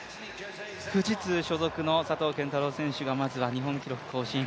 富士通所属の佐藤拳太郎選手がまずは日本記録更新。